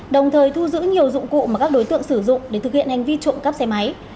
đồng thời thu giữ nhiều dụng cụ mà các đối tượng sử dụng để thực hiện hành vi trộm cắp xe máy